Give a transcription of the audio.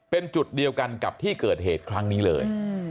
เป็นจุดเดียวกันกับที่เกิดเหตุครั้งนี้เลย